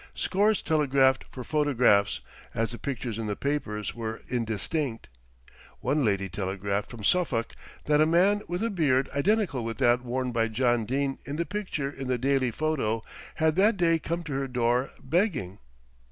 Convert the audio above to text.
Scores telegraphed for photographs, as the pictures in the papers were indistinct. One lady telegraphed from Suffolk that a man with a beard identical with that worn by John Dene in the picture in The Daily Photo had that day come to her door begging.